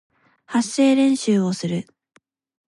発声練習をする